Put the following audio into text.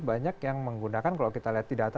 banyak yang menggunakan kalau kita lihat di data